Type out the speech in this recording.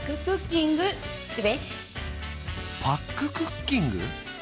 パッククッキング？